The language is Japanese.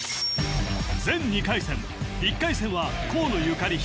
全２回戦１回戦は河野ゆかり